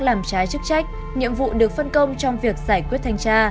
làm trái chức trách nhiệm vụ được phân công trong việc giải quyết thanh tra